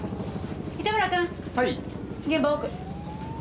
現場奥。